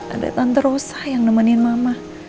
ada tante rosa yang nemenin mama